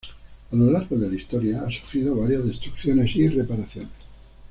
A lo largo de la historia ha sufrido varias destrucciones y reparaciones.